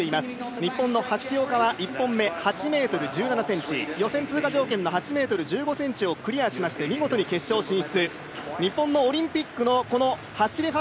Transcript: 日本の橋岡は１本目８ｍ１７ｃｍの予選通過条件の８ｍ１５ｃｍをクリアしまして、見事決勝進出。